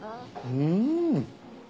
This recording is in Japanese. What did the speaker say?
うん！